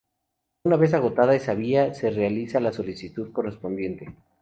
Una vez agotada esa vía se realiza la solicitud correspondiente.